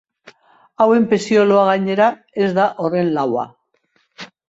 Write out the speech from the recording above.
Hauen pezioloa, gainera, ez da horren laua.